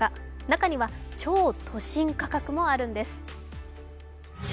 中には超都心価格もあるんです。